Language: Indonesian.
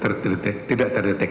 saya awal tidak periksa pak